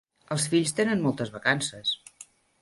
Els fills tenen moltes vacances.